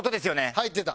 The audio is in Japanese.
入ってた。